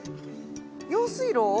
用水路？